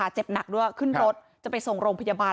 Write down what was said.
เจ็บหนักด้วยขึ้นรถจะไปส่งโรงพยาบาล